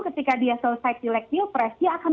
ketika dia selesai pilek pilpres dia akan